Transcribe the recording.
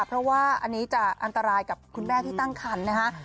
เพราะว่าอันนี้จะอันตรายกับคุณแม่ที่ตั้งคันนะฮะ